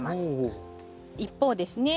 一方ですね